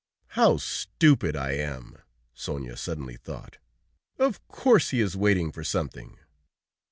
"How stupid I am!" Sonia suddenly thought. "Of course he is waiting for something."